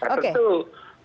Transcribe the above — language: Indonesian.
oleh karena itu